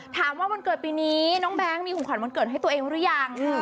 วันเกิดปีนี้น้องแบงค์มีของขวัญวันเกิดให้ตัวเองหรือยัง